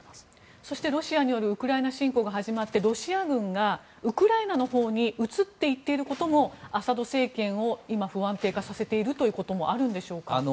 そして、ロシアによるウクライナ侵攻が始まってロシア軍が、ウクライナのほうに移っていっていることもアサド政権を今、不安定化させているということもあるんでしょうか。